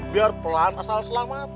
biar pelan asal selamat